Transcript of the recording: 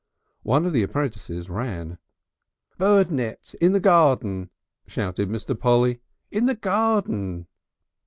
One of the apprentices ran. "Bird nets in the garden," shouted Mr. Polly. "In the garden!"